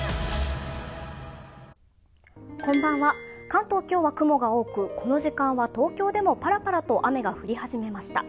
関東、今日は雲が多くこの時間は東京でもパラパラと雨が降り始めました。